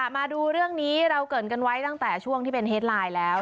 มาดูเรื่องนี้เราเกิดกันไว้ตั้งแต่ช่วงที่เป็นเฮดไลน์แล้ว